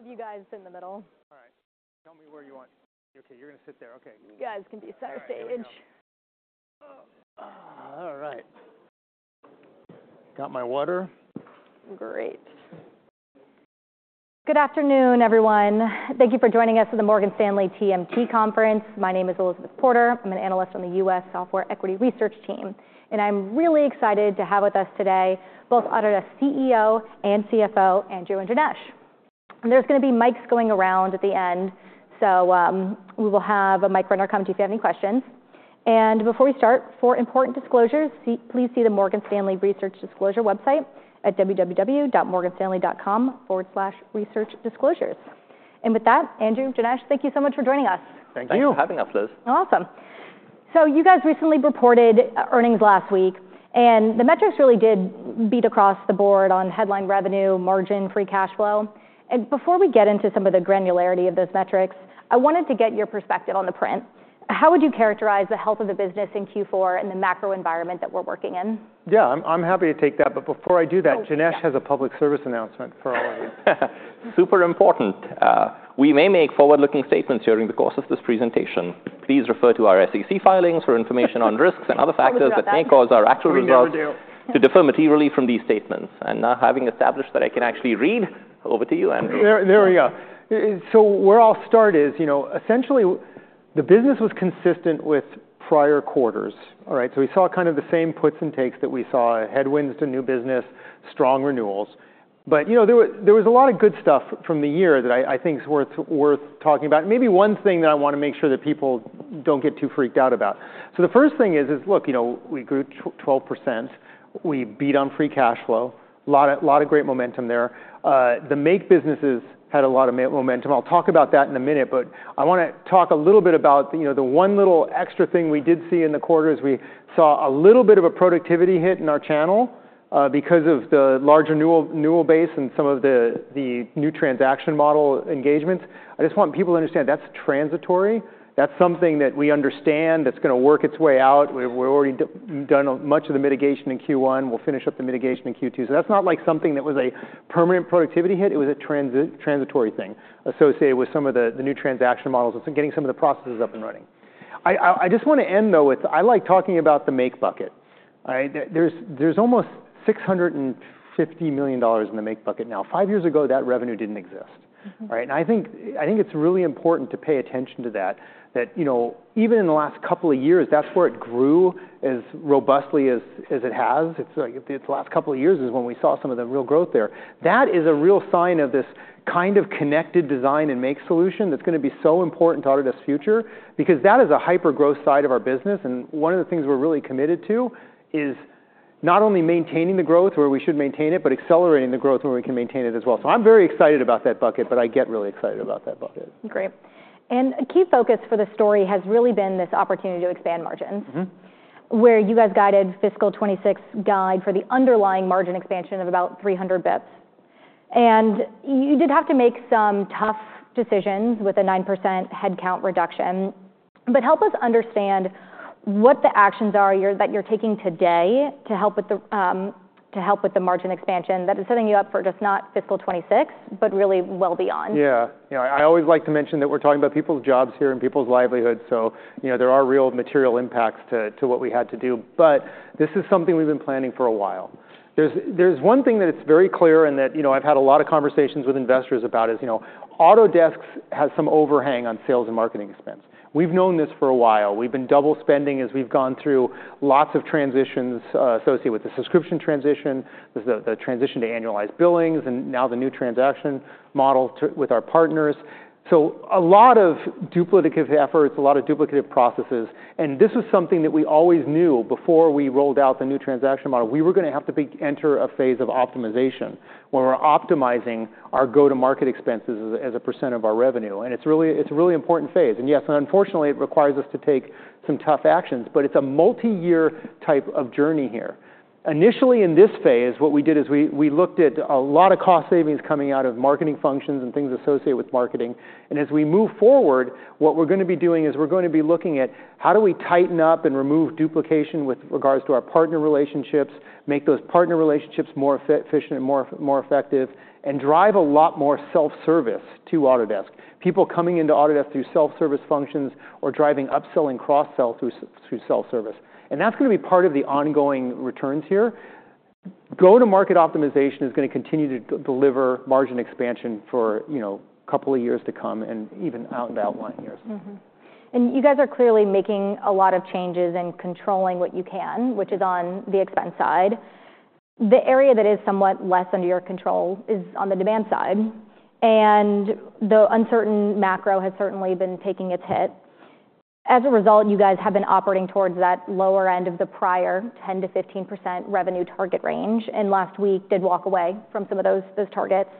I'll have you guys in the middle. All right. Tell me where you want. Okay, you're gonna sit there. Okay. You guys can be starting to age. All right. Got my water. Great. Good afternoon, everyone. Thank you for joining us at the Morgan Stanley TMT Conference. My name is Elizabeth Porter. I'm an analyst on the U.S. Software Equity Research team. And I'm really excited to have with us today both Autodesk CEO and CFO Andrew and Janesh. And there's gonna be mics going around at the end. So we will have a mic runner come to you if you have any questions. And before we start, for important disclosures, please see the Morgan Stanley Research Disclosure website at www.morganstanley.com/researchdisclosures. And with that, Andrew, Janesh, thank you so much for joining us. Thank you for having us, Liz. Awesome. So you guys recently reported earnings last week. And the metrics really did beat across the board on headline revenue, margin, free cash flow. And before we get into some of the granularity of those metrics, I wanted to get your perspective on the print. How would you characterize the health of the business in Q4 and the macro environment that we're working in? Yeah, I'm happy to take that. But before I do that, Janesh has a public service announcement for all of you. Super important. We may make forward-looking statements during the course of this presentation. Please refer to our SEC filings for information on risks and other factors that may cause our actual results to differ materially from these statements. And now having established that, I can actually read over to you, Andrew. There we go. So where I'll start is, essentially, the business was consistent with prior quarters. All right. So we saw kind of the same puts and takes that we saw: headwinds to new business, strong renewals. But there was a lot of good stuff from the year that I think is worth talking about. Maybe one thing that I want to make sure that people don't get too freaked out about. So the first thing is, look, we grew 12%. We beat on free cash flow. A lot of great momentum there. The Make businesses had a lot of momentum. I'll talk about that in a minute. But I want to talk a little bit about the one little extra thing we did see in the quarters. We saw a little bit of a productivity hit in our channel because of the large renewal base and some of the new transaction model engagements. I just want people to understand that's transitory. That's something that we understand that's going to work its way out. We've already done much of the mitigation in Q1. We'll finish up the mitigation in Q2. So that's not like something that was a permanent productivity hit. It was a transitory thing associated with some of the new transaction models and getting some of the processes up and running. I just want to end, though, with I like talking about the Make bucket. There's almost $650 million in the Make bucket now. Five years ago, that revenue didn't exist. And I think it's really important to pay attention to that. Even in the last couple of years, that's where it grew as robustly as it has. It's the last couple of years is when we saw some of the real growth there. That is a real sign of this kind of connected design and make solution that's going to be so important to Autodesk's future because that is a hyper-growth side of our business. And one of the things we're really committed to is not only maintaining the growth where we should maintain it, but accelerating the growth where we can maintain it as well. So I'm very excited about that bucket, but I get really excited about that bucket. Great. And a key focus for the story has really been this opportunity to expand margins, where you guys guided Fiscal 26 guide for the underlying margin expansion of about 300 basis points. And you did have to make some tough decisions with a 9% headcount reduction. But help us understand what the actions are that you're taking today to help with the margin expansion that is setting you up for just not Fiscal 26, but really well beyond. Yeah. I always like to mention that we're talking about people's jobs here and people's livelihoods. So there are real material impacts to what we had to do. But this is something we've been planning for a while. There's one thing that it's very clear and that I've had a lot of conversations with investors about is Autodesk has some overhang on sales and marketing expense. We've known this for a while. We've been double spending as we've gone through lots of transitions associated with the subscription transition, the transition to annualized billings, and now the new transaction model with our partners. So a lot of duplicative efforts, a lot of duplicative processes. And this was something that we always knew before we rolled out the new transaction model. We were going to have to enter a phase of optimization where we're optimizing our go-to-market expenses as a % of our revenue. And it's a really important phase. And yes, unfortunately, it requires us to take some tough actions. But it's a multi-year type of journey here. Initially, in this phase, what we did is we looked at a lot of cost savings coming out of marketing functions and things associated with marketing. And as we move forward, what we're going to be doing is we're going to be looking at how do we tighten up and remove duplication with regards to our partner relationships, make those partner relationships more efficient and more effective, and drive a lot more self-service to Autodesk. People coming into Autodesk through self-service functions or driving upsell and cross-sell through self-service. And that's going to be part of the ongoing returns here. Go-to-market optimization is going to continue to deliver margin expansion for a couple of years to come and even out in the outlying years. You guys are clearly making a lot of changes and controlling what you can, which is on the expense side. The area that is somewhat less under your control is on the demand side. The uncertain macro has certainly been taking its hit. As a result, you guys have been operating towards that lower end of the prior 10%-15% revenue target range. Last week did walk away from some of those targets.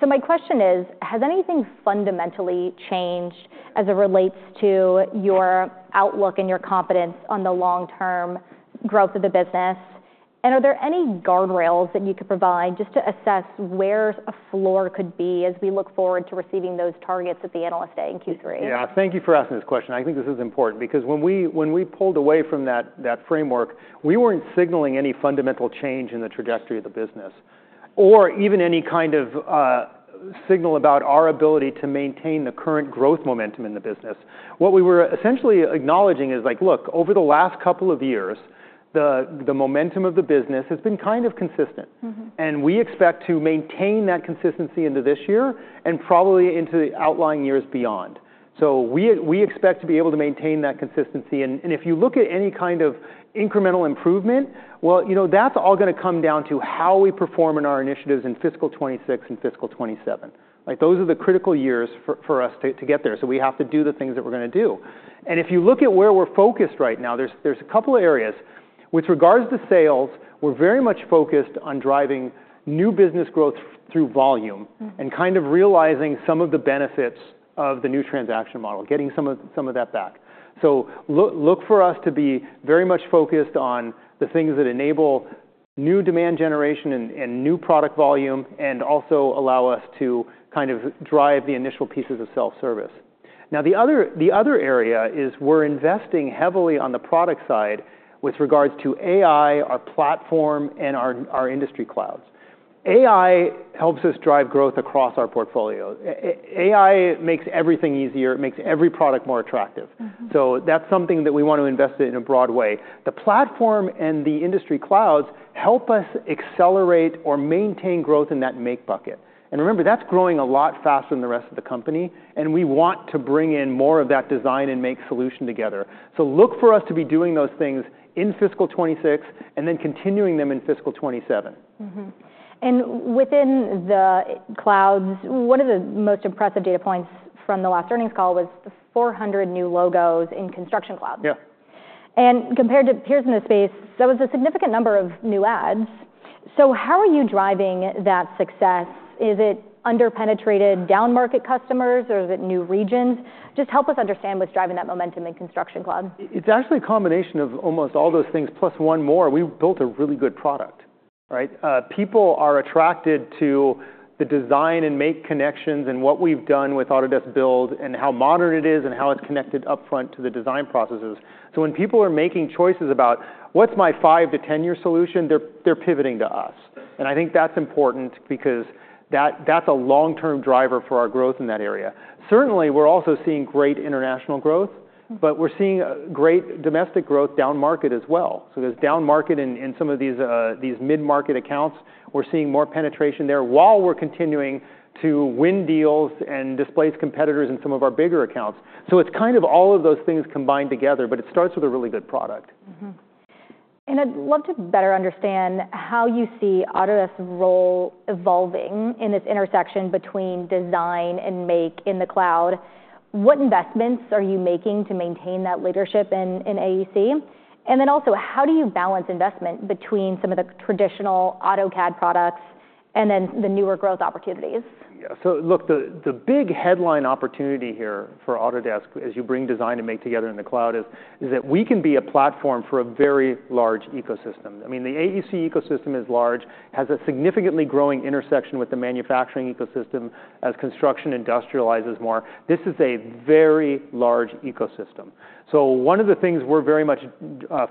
My question is, has anything fundamentally changed as it relates to your outlook and your confidence on the long-term growth of the business? Are there any guardrails that you could provide just to assess where a floor could be as we look forward to receiving those targets at the analyst day in Q3? Yeah. Thank you for asking this question. I think this is important because when we pulled away from that framework, we weren't signaling any fundamental change in the trajectory of the business or even any kind of signal about our ability to maintain the current growth momentum in the business. What we were essentially acknowledging is, look, over the last couple of years, the momentum of the business has been kind of consistent. And we expect to maintain that consistency into this year and probably into the outlying years beyond. So we expect to be able to maintain that consistency. And if you look at any kind of incremental improvement, well, that's all going to come down to how we perform in our initiatives in Fiscal 26 and Fiscal 27. Those are the critical years for us to get there. We have to do the things that we're going to do. If you look at where we're focused right now, there's a couple of areas. With regards to sales, we're very much focused on driving new business growth through volume and kind of realizing some of the benefits of the new transaction model, getting some of that back. Look for us to be very much focused on the things that enable new demand generation and new product volume and also allow us to kind of drive the initial pieces of self-service. Now, the other area is we're investing heavily on the product side with regards to AI, our platform, and our industry clouds. AI helps us drive growth across our portfolio. AI makes everything easier. It makes every product more attractive. That's something that we want to invest in a broad way. The platform and the industry clouds help us accelerate or maintain growth in that Make bucket. And remember, that's growing a lot faster than the rest of the company. And we want to bring in more of that design and make solution together. So look for us to be doing those things in Fiscal 26 and then continuing them in Fiscal 27. Within the clouds, one of the most impressive data points from the last earnings call was the 400 new logos in Construction Cloud. Compared to peers in the space, that was a significant number of new adds. So how are you driving that success? Is it under-penetrated down-market customers, or is it new regions? Just help us understand what's driving that momentum in Construction Cloud. It's actually a combination of almost all those things plus one more. We built a really good product. People are attracted to the design and make connections and what we've done with Autodesk Build and how modern it is and how it's connected upfront to the design processes. So when people are making choices about what's my 5 to 10-year solution, they're pivoting to us. And I think that's important because that's a long-term driver for our growth in that area. Certainly, we're also seeing great international growth, but we're seeing great domestic growth down market as well. So there's down market in some of these mid-market accounts. We're seeing more penetration there while we're continuing to win deals and displace competitors in some of our bigger accounts. So it's kind of all of those things combined together, but it starts with a really good product. And I'd love to better understand how you see Autodesk's role evolving in this intersection between design and make in the cloud. What investments are you making to maintain that leadership in AEC? And then also, how do you balance investment between some of the traditional AutoCAD products and then the newer growth opportunities? Yeah. So look, the big headline opportunity here for Autodesk, as you bring design and make together in the cloud, is that we can be a platform for a very large ecosystem. I mean, the AEC ecosystem is large, has a significantly growing intersection with the manufacturing ecosystem as construction industrializes more. This is a very large ecosystem. So one of the things we're very much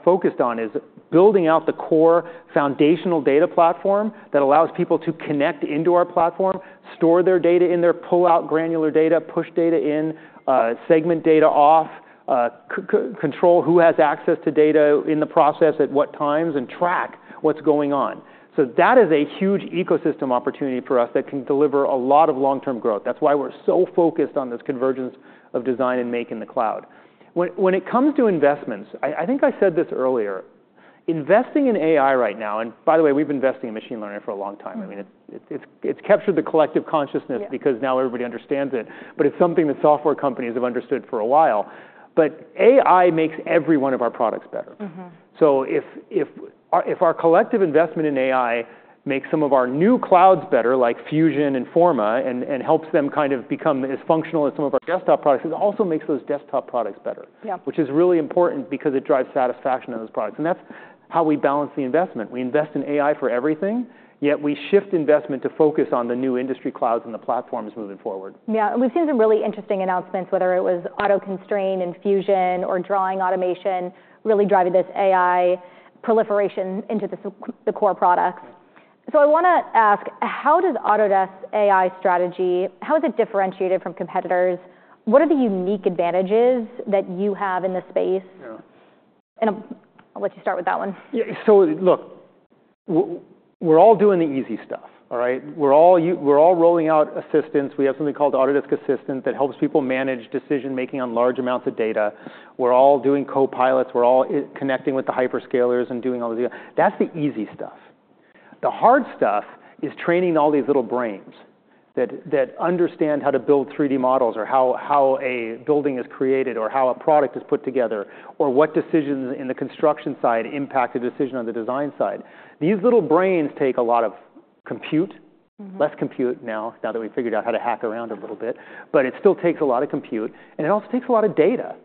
focused on is building out the core foundational data platform that allows people to connect into our platform, store their data in there, pull out granular data, push data in, segment data off, control who has access to data in the process at what times, and track what's going on. So that is a huge ecosystem opportunity for us that can deliver a lot of long-term growth. That's why we're so focused on this convergence of design and make in the cloud. When it comes to investments, I think I said this earlier, investing in AI right now, and by the way, we've been investing in machine learning for a long time. I mean, it's captured the collective consciousness because now everybody understands it. But it's something that software companies have understood for a while. But AI makes every one of our products better. So if our collective investment in AI makes some of our new clouds better, like Fusion and Forma, and helps them kind of become as functional as some of our desktop products, it also makes those desktop products better, which is really important because it drives satisfaction on those products. And that's how we balance the investment. We invest in AI for everything, yet we shift investment to focus on the new industry clouds and the platforms moving forward. Yeah. And we've seen some really interesting announcements, whether it was AutoConstrain and Fusion or drawing automation really driving this AI proliferation into the core products. So I want to ask, how does Autodesk's AI strategy, how is it differentiated from competitors? What are the unique advantages that you have in this space? And I'll let you start with that one. Yeah. So look, we're all doing the easy stuff. We're all rolling out assistants. We have something called Autodesk Assistant that helps people manage decision-making on large amounts of data. We're all doing copilots. We're all connecting with the hyperscalers and doing all those things. That's the easy stuff. The hard stuff is training all these little brains that understand how to build 3D models or how a building is created or how a product is put together or what decisions in the construction side impact the decision on the design side. These little brains take a lot of compute, less compute now that we've figured out how to hack around a little bit. But it still takes a lot of compute. And it also takes a lot of data.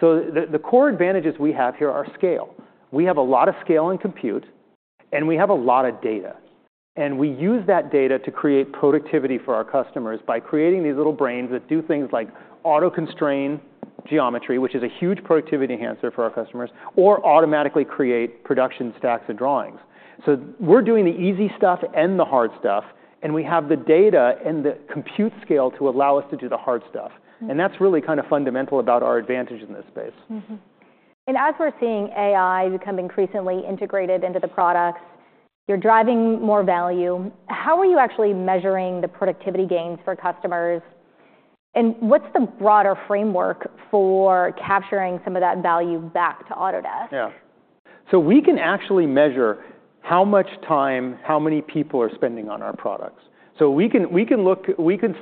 So the core advantages we have here are scale. We have a lot of scale and compute, and we have a lot of data, and we use that data to create productivity for our customers by creating these little brains that do things like auto-constrain geometry, which is a huge productivity enhancer for our customers, or automatically create production stacks of drawings, so we're doing the easy stuff and the hard stuff, and we have the data and the compute scale to allow us to do the hard stuff, and that's really kind of fundamental about our advantage in this space. As we're seeing AI become increasingly integrated into the products, you're driving more value. How are you actually measuring the productivity gains for customers? And what's the broader framework for capturing some of that value back to Autodesk? Yeah. So we can actually measure how much time, how many people are spending on our products. So we can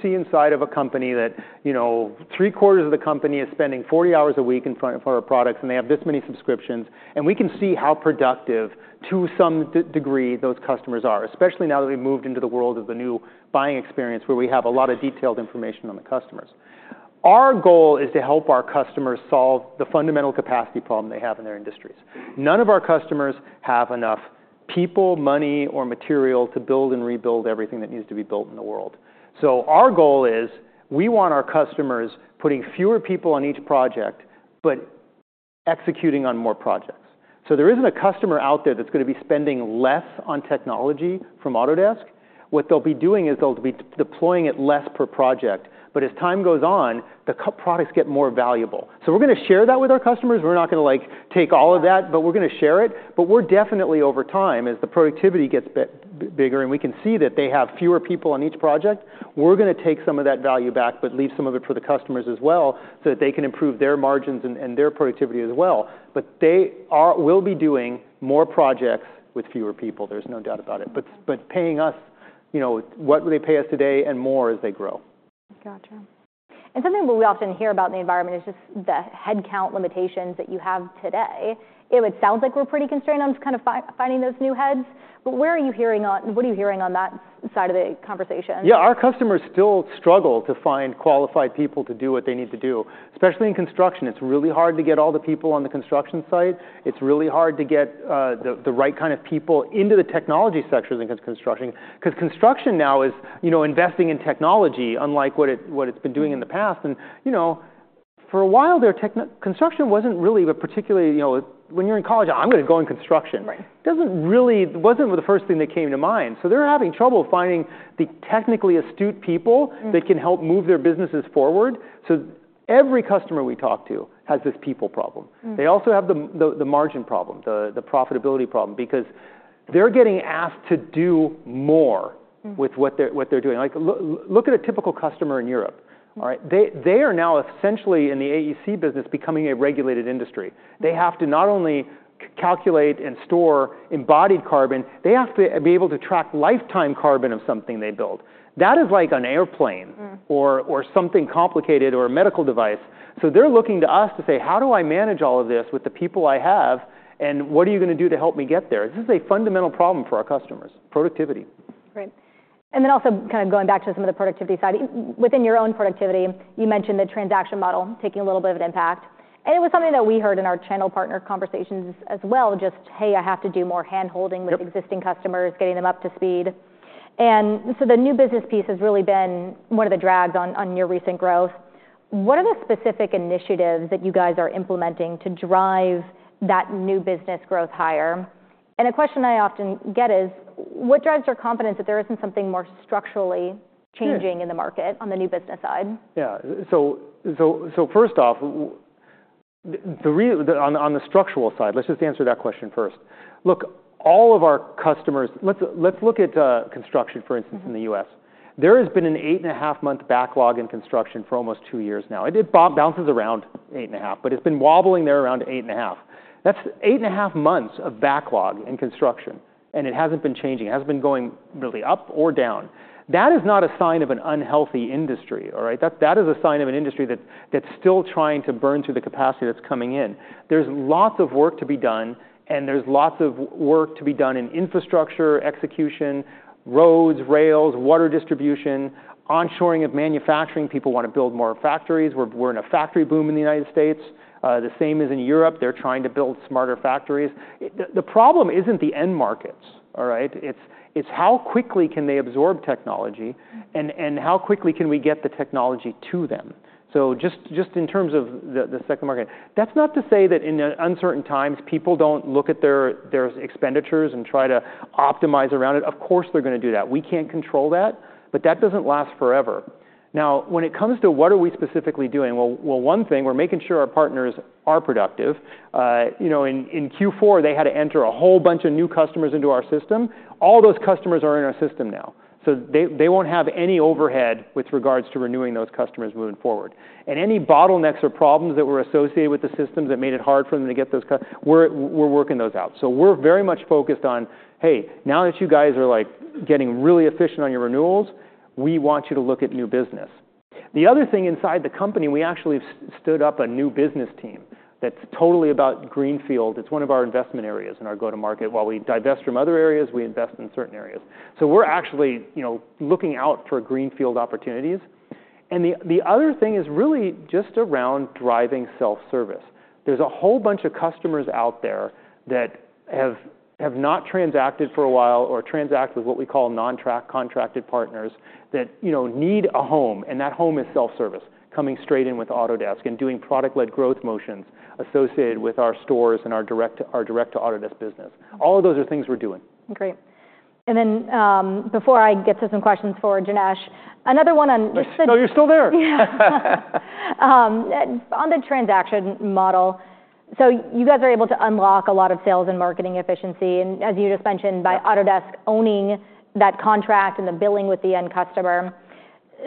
see inside of a company that 3/4 of the company is spending 40 hours a week in front of our products, and they have this many subscriptions. And we can see how productive, to some degree, those customers are, especially now that we've moved into the world of the new buying experience where we have a lot of detailed information on the customers. Our goal is to help our customers solve the fundamental capacity problem they have in their industries. None of our customers have enough people, money, or material to build and rebuild everything that needs to be built in the world. So our goal is we want our customers putting fewer people on each project but executing on more projects. So there isn't a customer out there that's going to be spending less on technology from Autodesk. What they'll be doing is they'll be deploying it less per project. But as time goes on, the products get more valuable. So we're going to share that with our customers. We're not going to take all of that, but we're going to share it. But we're definitely, over time, as the productivity gets bigger and we can see that they have fewer people on each project, we're going to take some of that value back but leave some of it for the customers as well so that they can improve their margins and their productivity as well. But they will be doing more projects with fewer people. There's no doubt about it. But paying us, what will they pay us today and more as they grow? Gotcha. And something we often hear about in the environment is just the headcount limitations that you have today. It sounds like we're pretty constrained on just kind of finding those new heads. But what are you hearing on that side of the conversation? Yeah. Our customers still struggle to find qualified people to do what they need to do. Especially in construction, it's really hard to get all the people on the construction site. It's really hard to get the right kind of people into the technology sectors in construction because construction now is investing in technology, unlike what it's been doing in the past. And for a while, construction wasn't really particularly when you're in college, I'm going to go in construction. It wasn't the first thing that came to mind. So they're having trouble finding the technically astute people that can help move their businesses forward. So every customer we talk to has this people problem. They also have the margin problem, the profitability problem because they're getting asked to do more with what they're doing. Look at a typical customer in Europe. They are now essentially in the AEC business becoming a regulated industry. They have to not only calculate and store embodied carbon, they have to be able to track lifetime carbon of something they build. That is like an airplane or something complicated or a medical device, so they're looking to us to say, how do I manage all of this with the people I have, and what are you going to do to help me get there? This is a fundamental problem for our customers, productivity. Right. And then also kind of going back to some of the productivity side, within your own productivity, you mentioned the transaction model taking a little bit of an impact. And it was something that we heard in our channel partner conversations as well, just, hey, I have to do more handholding with existing customers, getting them up to speed. And so the new business piece has really been one of the drags on your recent growth. What are the specific initiatives that you guys are implementing to drive that new business growth higher? And a question I often get is, what drives your confidence that there isn't something more structurally changing in the market on the new business side? Yeah, so first off, on the structural side, let's just answer that question first. Look, all of our customers, let's look at construction, for instance, in the U.S. There has been an 8.5-month backlog in construction for almost two years now. It bounces around 8.5, but it's been wobbling there around 8.5. That's 8.5 months of backlog in construction, and it hasn't been changing. It hasn't been going really up or down. That is not a sign of an unhealthy industry. That is a sign of an industry that's still trying to burn through the capacity that's coming in. There's lots of work to be done, and there's lots of work to be done in infrastructure, execution, roads, rails, water distribution, onshoring of manufacturing. People want to build more factories. We're in a factory boom in the United States. The same is in Europe. They're trying to build smarter factories. The problem isn't the end markets. It's how quickly can they absorb technology and how quickly can we get the technology to them, so just in terms of the second market, that's not to say that in uncertain times, people don't look at their expenditures and try to optimize around it. Of course, they're going to do that. We can't control that, but that doesn't last forever. Now, when it comes to what are we specifically doing? Well, one thing, we're making sure our partners are productive. In Q4, they had to enter a whole bunch of new customers into our system. All those customers are in our system now, so they won't have any overhead with regards to renewing those customers moving forward, and any bottlenecks or problems that were associated with the systems that made it hard for them to get those, we're working those out. We're very much focused on, hey, now that you guys are getting really efficient on your renewals, we want you to look at new business. The other thing inside the company, we actually stood up a new business team that's totally about greenfield. It's one of our investment areas in our go-to-market. While we divest from other areas, we invest in certain areas. We're actually looking out for greenfield opportunities. The other thing is really just around driving self-service. There's a whole bunch of customers out there that have not transacted for a while or transact with what we call non-contracted partners that need a home. That home is self-service, coming straight in with Autodesk and doing product-led growth motions associated with our stores and our direct-to-Autodesk business. All of those are things we're doing. Great. And then before I get to some questions for Janesh, another one on. No, you're still there. On the transaction model, so you guys are able to unlock a lot of sales and marketing efficiency, and as you just mentioned, by Autodesk owning that contract and the billing with the end customer,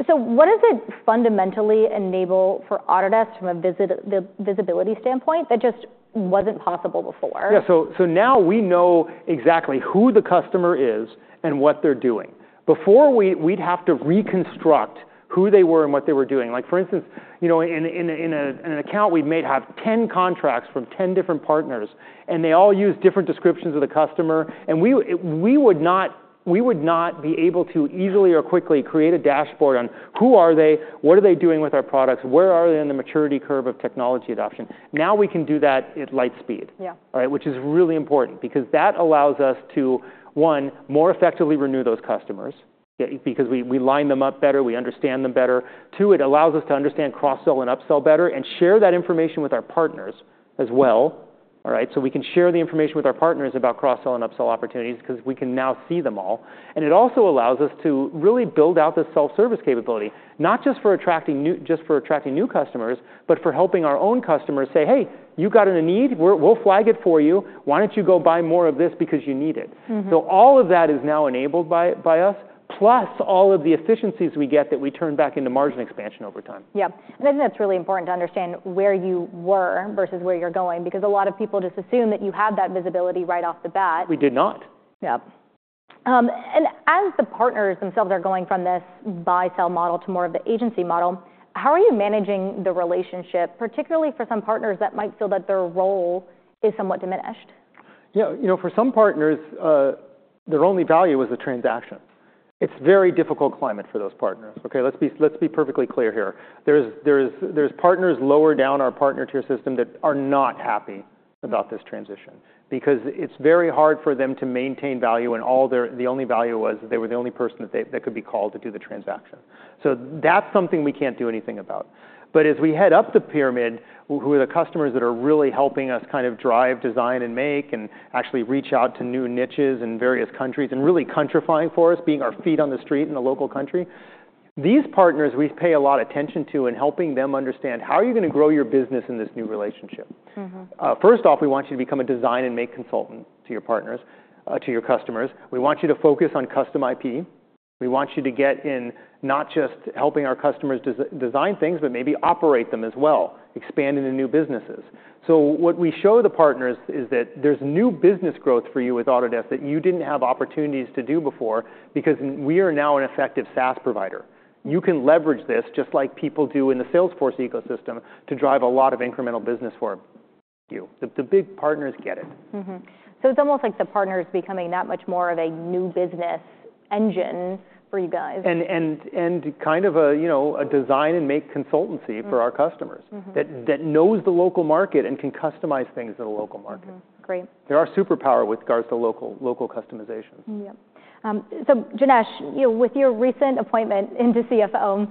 so what does it fundamentally enable for Autodesk from a visibility standpoint that just wasn't possible before? Yeah. So now we know exactly who the customer is and what they're doing. Before, we'd have to reconstruct who they were and what they were doing. For instance, in an account, we may have 10 contracts from 10 different partners, and they all use different descriptions of the customer. And we would not be able to easily or quickly create a dashboard on who are they, what are they doing with our products, where are they in the maturity curve of technology adoption. Now we can do that at light speed, which is really important because that allows us to, one, more effectively renew those customers because we line them up better, we understand them better. Two, it allows us to understand cross-sell and upsell better and share that information with our partners as well so we can share the information with our partners about cross-sell and upsell opportunities because we can now see them all. And it also allows us to really build out the self-service capability, not just for attracting new customers, but for helping our own customers say, hey, you got a need, we'll flag it for you. Why don't you go buy more of this because you need it? So all of that is now enabled by us, plus all of the efficiencies we get that we turn back into margin expansion over time. Yeah, and I think that's really important to understand where you were versus where you're going because a lot of people just assume that you have that visibility right off the bat. We did not. Yeah, and as the partners themselves are going from this buy-sell model to more of the agency model, how are you managing the relationship, particularly for some partners that might feel that their role is somewhat diminished? Yeah. For some partners, their only value was the transaction. It's a very difficult climate for those partners. Let's be perfectly clear here. There's partners lower down our partner tier system that are not happy about this transition because it's very hard for them to maintain value. And the only value was they were the only person that could be called to do the transaction. So that's something we can't do anything about. But as we head up the pyramid, who are the partners that are really helping us kind of drive, design, and make, and actually reach out to new niches in various countries and really countryfying for us, being our feet on the street in a local country, these partners we pay a lot of attention to in helping them understand how are you going to grow your business in this new relationship. First off, we want you to become a design and make consultant to your partners, to your customers. We want you to focus on custom IP. We want you to get in not just helping our customers design things, but maybe operate them as well, expand into new businesses. So what we show the partners is that there's new business growth for you with Autodesk that you didn't have opportunities to do before because we are now an effective SaaS provider. You can leverage this just like people do in the Salesforce ecosystem to drive a lot of incremental business for you. The big partners get it. So it's almost like the partners becoming that much more of a new business engine for you guys. Kind of a Design and Make consultancy for our customers that knows the local market and can customize things in the local market. Great. They're our superpower with regards to local customizations. Yeah. So Janesh, with your recent appointment into CFO,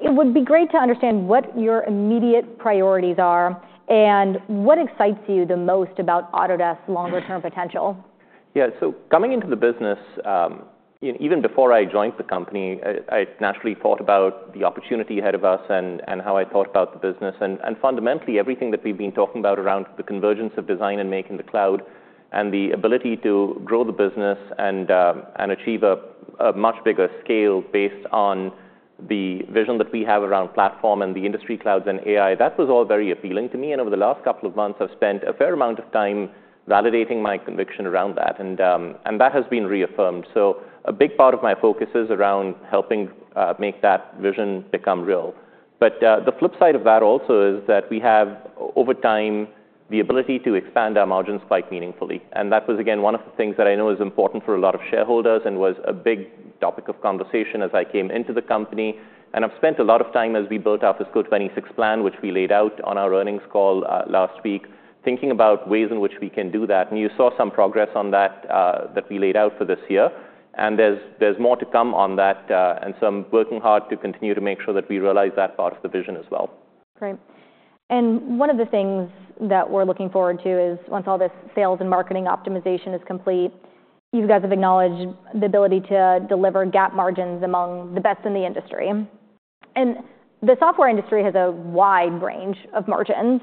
it would be great to understand what your immediate priorities are and what excites you the most about Autodesk's longer-term potential. Yeah. So coming into the business, even before I joined the company, I naturally thought about the opportunity ahead of us and how I thought about the business. And fundamentally, everything that we've been talking about around the convergence of design and make in the cloud and the ability to grow the business and achieve a much bigger scale based on the vision that we have around platform and the industry clouds and AI, that was all very appealing to me. And over the last couple of months, I've spent a fair amount of time validating my conviction around that. And that has been reaffirmed. So a big part of my focus is around helping make that vision become real. But the flip side of that also is that we have, over time, the ability to expand our margins quite meaningfully. And that was, again, one of the things that I know is important for a lot of shareholders and was a big topic of conversation as I came into the company. And I've spent a lot of time as we built our Fiscal 26 plan, which we laid out on our earnings call last week, thinking about ways in which we can do that. And you saw some progress on that that we laid out for this year. And there's more to come on that. And so I'm working hard to continue to make sure that we realize that part of the vision as well. Great. And one of the things that we're looking forward to is once all this sales and marketing optimization is complete, you guys have acknowledged the ability to deliver GAAP margins among the best in the industry. And the software industry has a wide range of margins.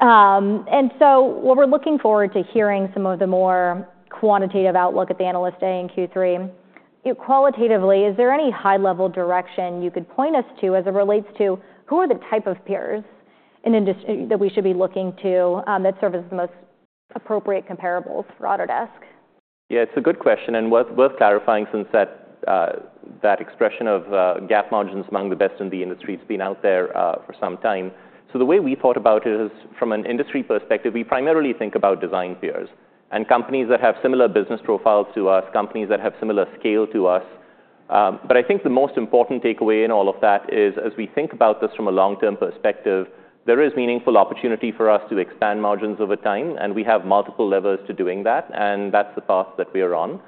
And so what we're looking forward to hearing some of the more quantitative outlook at the analyst day in Q3. Qualitatively, is there any high-level direction you could point us to as it relates to who are the type of peers that we should be looking to that serve as the most appropriate comparables for Autodesk? Yeah. It's a good question, and worth clarifying since that expression of GAAP margins among the best in the industry has been out there for some time, so the way we thought about it is from an industry perspective, we primarily think about design peers and companies that have similar business profiles to us, companies that have similar scale to us, but I think the most important takeaway in all of that is as we think about this from a long-term perspective, there is meaningful opportunity for us to expand margins over time, and we have multiple levers to doing that, and that's the path that we are on.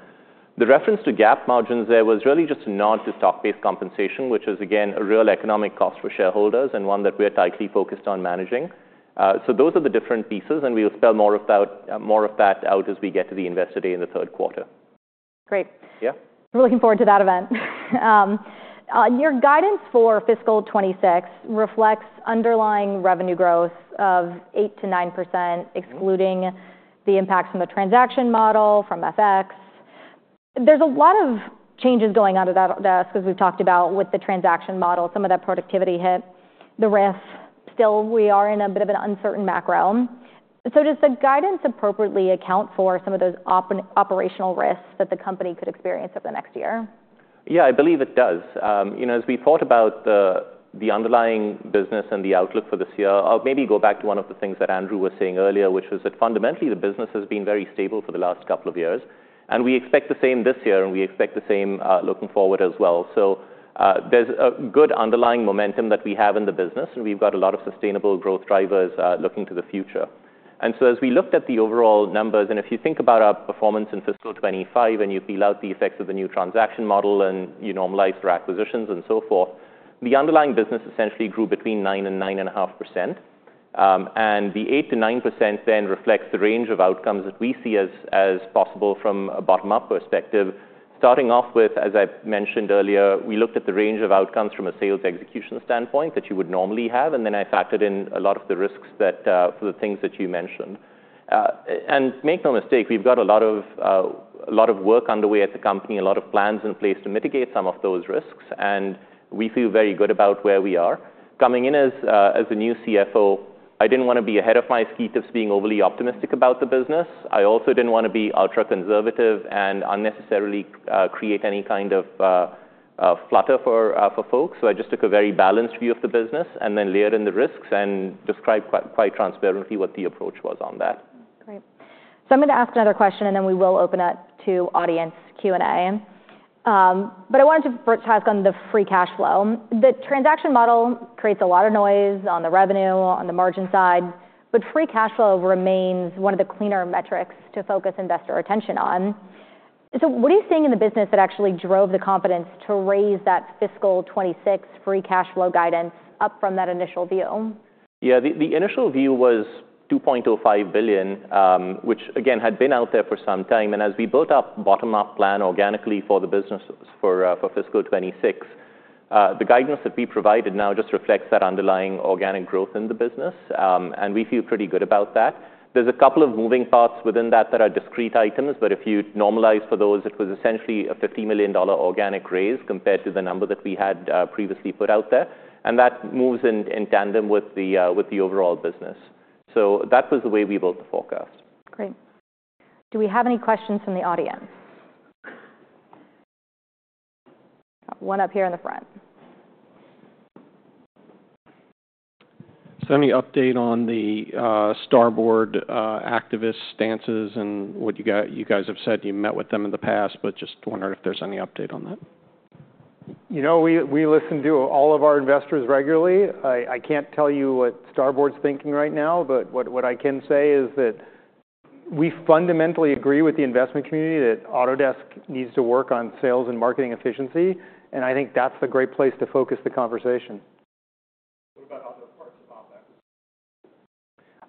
The reference to GAAP margins there was really just a nod to stock-based compensation, which is, again, a real economic cost for shareholders and one that we're tightly focused on managing, so those are the different pieces. We will spell more of that out as we get to the Investor Day in the third quarter. Great. We're looking forward to that event. Your guidance for Fiscal 26 reflects underlying revenue growth of 8%-9%, excluding the impacts from the transaction model, from FX. There's a lot of changes going on at Autodesk, as we've talked about, with the transaction model. Some of that productivity hit. The risk, still, we are in a bit of an uncertain background. So does the guidance appropriately account for some of those operational risks that the company could experience over the next year? Yeah, I believe it does. As we thought about the underlying business and the outlook for this year, I'll maybe go back to one of the things that Andrew was saying earlier, which was that fundamentally, the business has been very stable for the last couple of years. And we expect the same this year, and we expect the same looking forward as well. So there's a good underlying momentum that we have in the business, and we've got a lot of sustainable growth drivers looking to the future. And so as we looked at the overall numbers, and if you think about our performance in Fiscal 25, and you peel out the effects of the new transaction model and you normalize for acquisitions and so forth, the underlying business essentially grew between 9% and 9.5%. And the 8%-9% then reflects the range of outcomes that we see as possible from a bottom-up perspective. Starting off with, as I mentioned earlier, we looked at the range of outcomes from a sales execution standpoint that you would normally have. And then I factored in a lot of the risks for the things that you mentioned. And make no mistake, we've got a lot of work underway at the company, a lot of plans in place to mitigate some of those risks. And we feel very good about where we are. Coming in as a new CFO, I didn't want to be ahead of my skis of being overly optimistic about the business. I also didn't want to be ultra-conservative and unnecessarily create any kind of fluster for folks. So I just took a very balanced view of the business and then layered in the risks and described quite transparently what the approach was on that. Great. So I'm going to ask another question, and then we will open up to audience Q&A. But I wanted to touch on the free cash flow. The transaction model creates a lot of noise on the revenue, on the margin side. But free cash flow remains one of the cleaner metrics to focus investor attention on. So what are you seeing in the business that actually drove the confidence to raise that Fiscal 26 free cash flow guidance up from that initial view? Yeah. The initial view was $2.05 billion, which, again, had been out there for some time. And as we built up bottom-up plan organically for the business for Fiscal 26, the guidance that we provided now just reflects that underlying organic growth in the business. And we feel pretty good about that. There's a couple of moving parts within that that are discrete items. But if you normalize for those, it was essentially a $50 million organic raise compared to the number that we had previously put out there. And that moves in tandem with the overall business. So that was the way we built the forecast. Great. Do we have any questions from the audience? One up here in the front. Is there any update on the Starboard activist stances and what you guys have said? You met with them in the past, but just wondering if there's any update on that? You know. We listen to all of our investors regularly. I can't tell you what Starboard's thinking right now, but what I can say is that we fundamentally agree with the investment community that Autodesk needs to work on sales and marketing efficiency, and I think that's a great place to focus the conversation.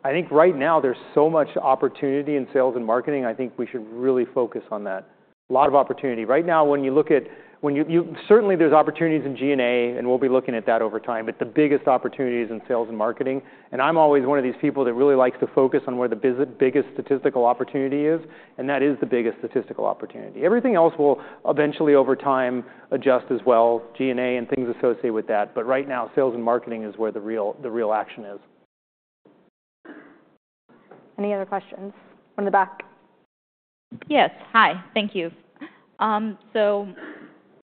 I think right now there's so much opportunity in sales and marketing. I think we should really focus on that. A lot of opportunity. Right now, when you look at it, certainly, there's opportunities in G&A, and we'll be looking at that over time, but the biggest opportunity is in sales and marketing. And I'm always one of these people that really likes to focus on where the biggest statistical opportunity is. And that is the biggest statistical opportunity. Everything else will eventually, over time, adjust as well, G&A and things associated with that. But right now, sales and marketing is where the real action is. Any other questions? One in the back. Yes. Hi. Thank you. So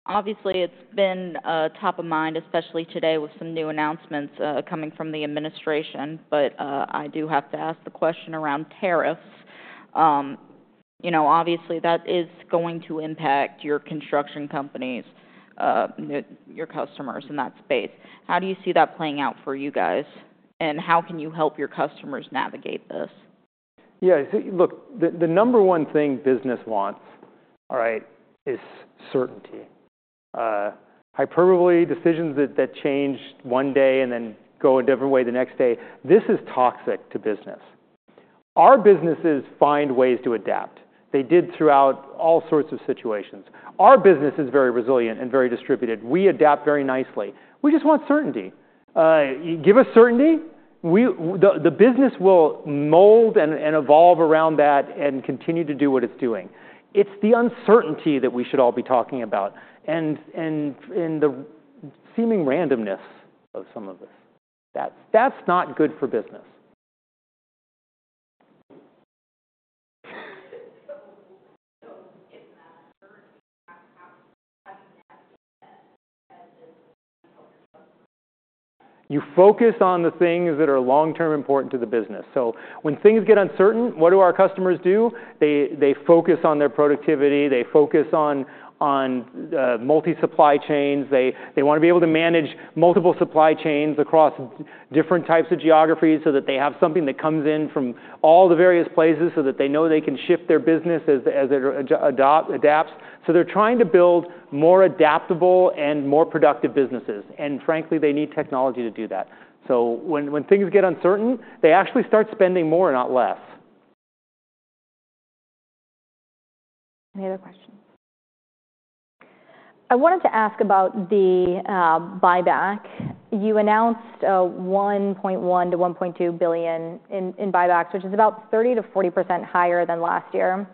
obviously, it's been top of mind, especially today with some new announcements coming from the administration. But I do have to ask the question around tariffs. Obviously, that is going to impact your construction companies, your customers in that space. How do you see that playing out for you guys? And how can you help your customers navigate this? Yeah. Look, the number one thing business wants is certainty. Hyperbolic decisions that change one day and then go a different way the next day, this is toxic to business. Our businesses find ways to adapt. They did throughout all sorts of situations. Our business is very resilient and very distributed. We adapt very nicely. We just want certainty. Give us certainty. The business will mold and evolve around that and continue to do what it's doing. It's the uncertainty that we should all be talking about and the seeming randomness of some of this. That's not good for business. You focus on the things that are long-term important to the business. So when things get uncertain, what do our customers do? They focus on their productivity. They focus on multi-supply chains. They want to be able to manage multiple supply chains across different types of geographies so that they have something that comes in from all the various places so that they know they can shift their business as it adapts. So they're trying to build more adaptable and more productive businesses. And frankly, they need technology to do that. So when things get uncertain, they actually start spending more, not less. Any other questions? I wanted to ask about the buyback. You announced $1.1-$1.2 billion in buybacks, which is about 30%-40% higher than last year.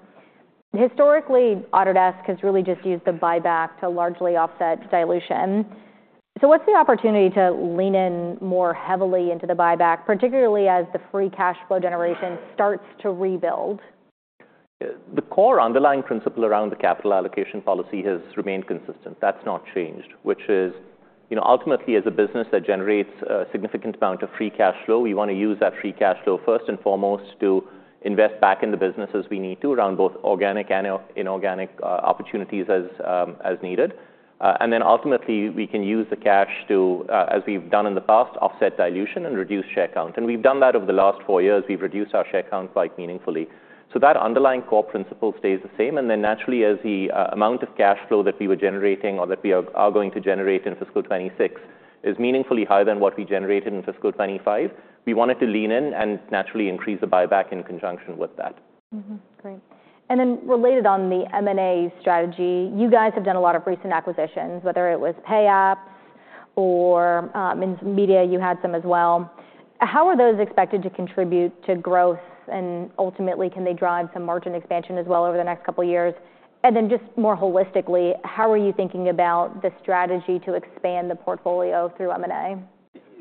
Historically, Autodesk has really just used the buyback to largely offset dilution. So what's the opportunity to lean in more heavily into the buyback, particularly as the free cash flow generation starts to rebuild? The core underlying principle around the capital allocation policy has remained consistent. That's not changed, which is ultimately, as a business that generates a significant amount of free cash flow, we want to use that free cash flow first and foremost to invest back in the business as we need to around both organic and inorganic opportunities as needed. And then ultimately, we can use the cash to, as we've done in the past, offset dilution and reduce share count. And we've done that over the last four years. We've reduced our share count quite meaningfully. So that underlying core principle stays the same. And then naturally, as the amount of cash flow that we were generating or that we are going to generate in Fiscal 26 is meaningfully higher than what we generated in Fiscal 25, we wanted to lean in and naturally increase the buyback in conjunction with that. Great. And then related on the M&A strategy, you guys have done a lot of recent acquisitions, whether it was Payapps or in media, you had some as well. How are those expected to contribute to growth? And ultimately, can they drive some margin expansion as well over the next couple of years? And then just more holistically, how are you thinking about the strategy to expand the portfolio through M&A?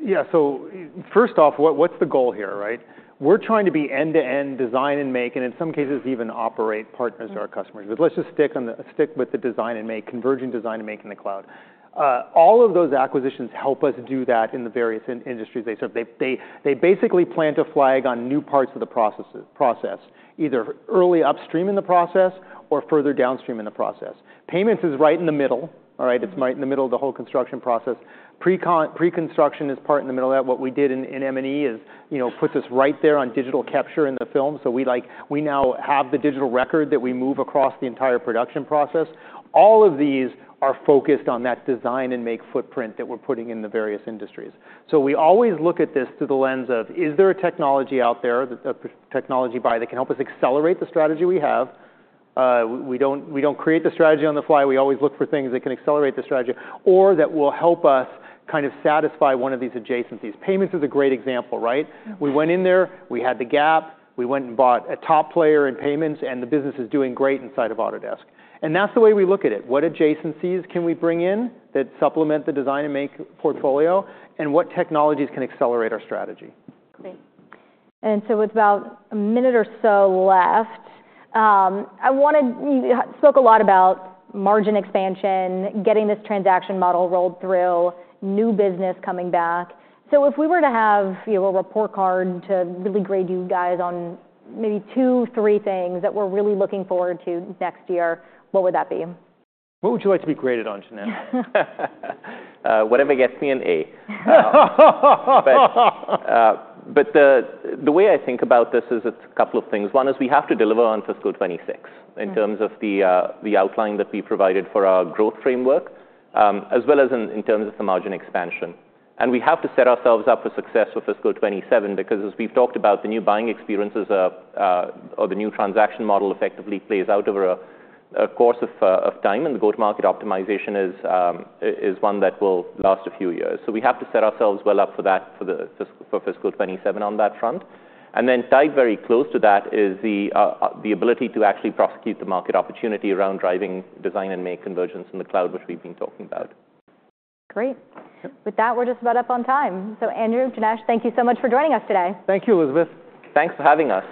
Yeah. So first off, what's the goal here? We're trying to be end-to-end design and make, and in some cases, even operate partners to our customers. But let's just stick with the design and make, converging design and make in the cloud. All of those acquisitions help us do that in the various industries. They basically plant a flag on new parts of the process, either early upstream in the process or further downstream in the process. Payments is right in the middle. It's right in the middle of the whole construction process. Pre-construction is part in the middle of that. What we did in M&E is put this right there on digital capture in the film. So we now have the digital record that we move across the entire production process. All of these are focused on that design and make footprint that we're putting in the various industries. So we always look at this through the lens of, is there a technology out there, a technology buy that can help us accelerate the strategy we have? We don't create the strategy on the fly. We always look for things that can accelerate the strategy or that will help us kind of satisfy one of these adjacencies. Payments is a great example. We went in there. We had the gap. We went and bought a top player in payments. And the business is doing great inside of Autodesk. And that's the way we look at it. What adjacencies can we bring in that supplement the design and make portfolio? And what technologies can accelerate our strategy? Great. And so with about a minute or so left, I wanted you spoke a lot about margin expansion, getting this transaction model rolled through, new business coming back. So if we were to have a report card to really grade you guys on maybe two, three things that we're really looking forward to next year, what would that be? What would you like to be graded on, Janesh? Whatever gets me an A. But the way I think about this is a couple of things. One is we have to deliver on Fiscal 26 in terms of the outline that we provided for our growth framework, as well as in terms of the margin expansion. And we have to set ourselves up for success for Fiscal 27 because, as we've talked about, the new buying experiences or the new transaction model effectively plays out over a course of time. And the go-to-market optimization is one that will last a few years. So we have to set ourselves well up for that for Fiscal 27 on that front. And then tied very close to that is the ability to actually prosecute the market opportunity around driving design and make convergence in the cloud, which we've been talking about. Great. With that, we're just about up on time. So Andrew, Janesh, thank you so much for joining us today. Thank you, Elizabeth. Thanks for having us.